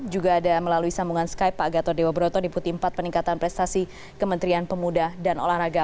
juga ada melalui sambungan skype pak gatot dewa broto deputi empat peningkatan prestasi kementerian pemuda dan olahraga